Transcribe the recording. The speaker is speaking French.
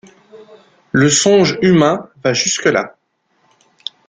Le songe humain va jusque-là.